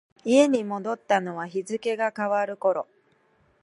家に戻ったのは日付が変わる頃。